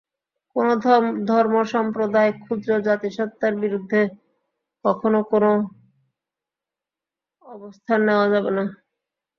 কোনো ধর্ম, সম্প্রদায়, ক্ষুদ্র জাতিসত্তার বিরুদ্ধে কখনো কোনো অবস্থান নেওয়া যাবে না।